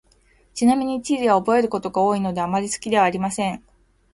ちなみに、地理は覚えることが多いので、あまり好きではありません。